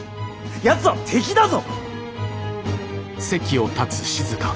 やつは敵だぞ！